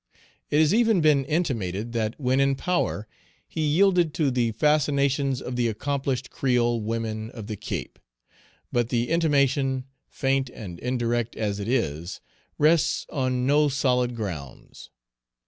It has even been intimated that when in power he yielded to the fascinations of the accomplished creole women of the Cape. But the intimation, faint and indirect as it is, rests on no solid grounds.